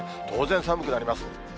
当然、寒くなります。